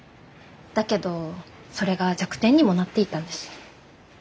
だけどそれが弱点にもなっていたんです。